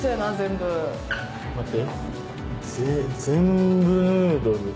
待って。